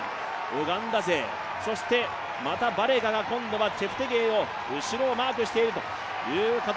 ウガンダ勢、そしてまたバレガが、今度はチェプテゲイの後ろをマークしている形。